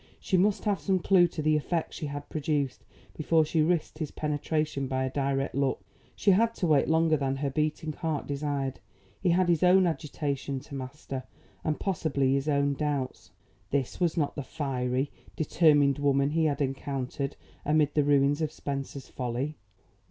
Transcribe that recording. She must have some clew to the effect she had produced before she risked his penetration by a direct look. She had to wait longer than her beating heart desired. He had his own agitation to master, and possibly his own doubts. This was not the fiery, determined woman he had encountered amid the ruins of Spencer's Folly.